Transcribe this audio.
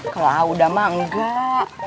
kalau audama nggak